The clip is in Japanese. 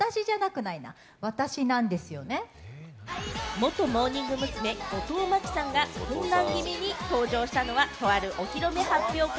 元モーニング娘。の後藤真希さんが混乱気味に登場したのは、とあるお披露目発表会。